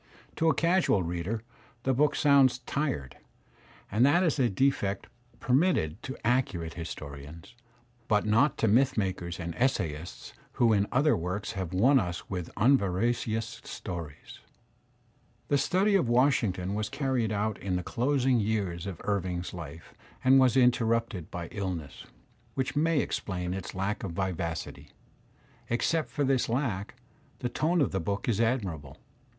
To a casual reader the book sounds tired, and that is a defect per Digitized by Google 30 THE SPIRIT OF AMERICAN LITERATURE milted to accurate historians, but not to myth makers and essayists who in other works have won us with unveracious stories. The study of Washington was carried on in the closing years of Irving*s life and was interrupted by illness, which may explain its lack of vivacity. Except for this lack, the tone of the book is admirable.